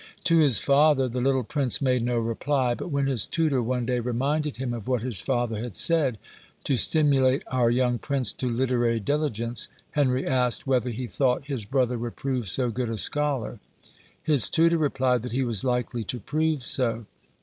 To his father, the little prince made no reply; but when his tutor one day reminded him of what his father had said, to stimulate our young prince to literary diligence, Henry asked, whether he thought his brother would prove so good a scholar. His tutor replied that he was likely to prove so.